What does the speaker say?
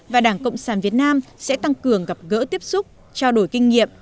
và đảng cộng sản việt nam sẽ tăng cường gặp gỡ tiếp xúc trao đổi kinh nghiệm